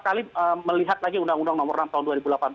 kali melihat lagi undang undang nomor enam tahun